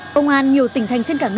công an nhiều tỉnh thành trên cả nước